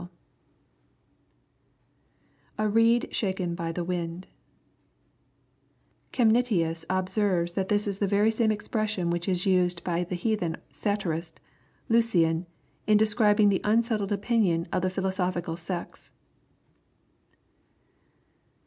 *' [A reed shaken hy the tumd,] Chemnitius observes that this is the very same expression which is used by the heathen satirist, Lu< cian, in describing the unsettled opinion of the philosophical sects.